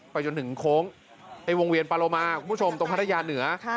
ไปจนถึงโค้งวงเวียนปลารัมมาตรงพาธยาเหนือค่ะ